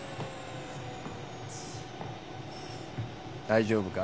大丈夫か？